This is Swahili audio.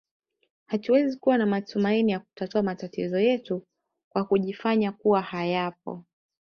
Hatuwezi kuwa na matumaini ya kutatua matatizo yetu kwa kujifanya kuwa hayapo